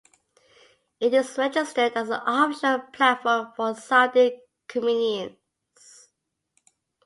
It is registered as an official platform for Saudi comedians.